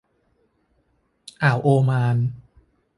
อ่าวโอมาน